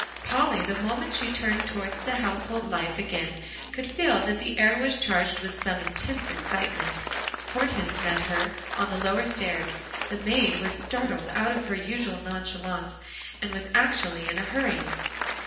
Polly, the moment she turned towards the household life again, could feel that the air was charged with some intense excitement. Hortense met her on the lower stairs; the maid was startled out of her usual nonchalance, and was actually in a hurry.